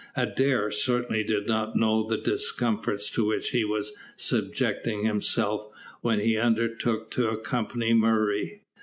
Adair certainly did not know the discomforts to which he was subjecting himself when he undertook to accompany Murray.